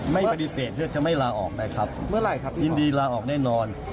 ไม่ปฏิเสธที่จะไม่ลาออกนะครับเมื่อไหร่ครับยินดีลาออกแน่นอน